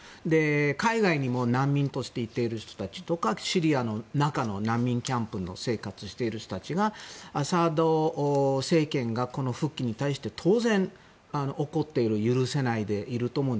海外にも難民として行っている人たちとかシリアの中の難民キャンプで生活している人たちがアサド政権の復帰に対して当然、怒っている許せないでいると思います。